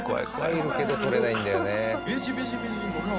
入るけど取れないんだよね。